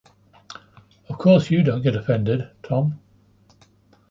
Of course you don't get offended, Tom.